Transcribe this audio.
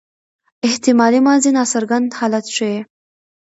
احتمالي ماضي ناڅرګند حالت ښيي.